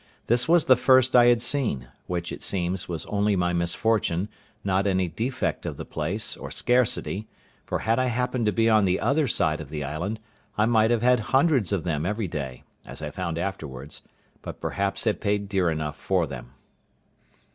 This was the first I had seen, which, it seems, was only my misfortune, not any defect of the place, or scarcity; for had I happened to be on the other side of the island, I might have had hundreds of them every day, as I found afterwards; but perhaps had paid dear enough for them.